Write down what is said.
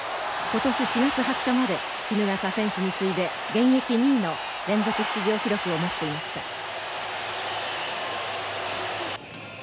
今年４月２０日まで衣笠選手に次いで現役２位の連続出場記録を持っていました。